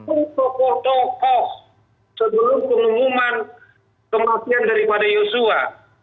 untuk foto kos sebelum penumuman kematian daripada yusua